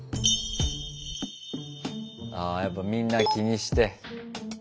あやっぱみんな気にして。